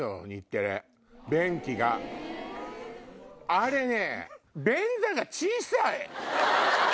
あれね。